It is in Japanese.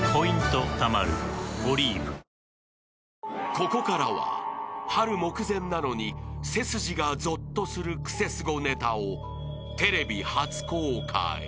［ここからは春目前なのに背筋がぞっとするクセスゴネタをテレビ初公開。